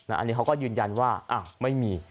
อันนี้เขาก็ยืนยันว่าไม่มี